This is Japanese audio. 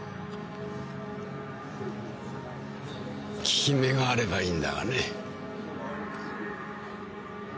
効き目があればいいんだがね。